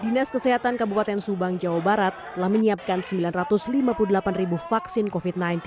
dinas kesehatan kabupaten subang jawa barat telah menyiapkan sembilan ratus lima puluh delapan ribu vaksin covid sembilan belas